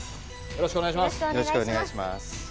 よろしくお願いします。